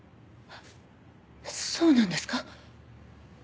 そうなんですか？